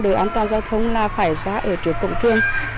đời an toàn giao thông là phải ra ở trước cổng trường